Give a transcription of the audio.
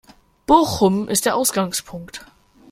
Bochum ist der Ausgangspunkt.